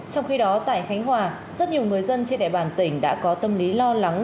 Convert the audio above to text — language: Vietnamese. trong khi đó tại khánh hòa rất nhiều người dân trên địa bàn tỉnh đã có tâm lý lo lắng